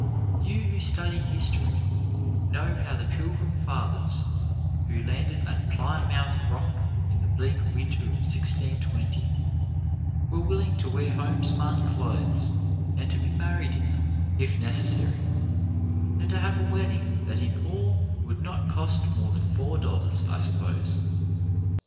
You who study history know how the Pilgrim Fathers, who landed at Plymouth Rock in the bleak winter of 1620, were willing to wear home spun clothes, and to be married in them, if neces sary, and to have a wedding that in all would not cost more than four dollars, I suppose.